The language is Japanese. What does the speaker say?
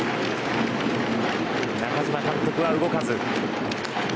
中嶋監督は動かず。